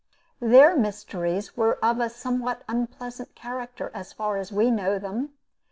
Their mysteries were of a somewhat unpleasant character, as far as we know them.